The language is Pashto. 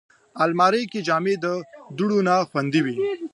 الماري کې جامې د دوړو نه خوندي وي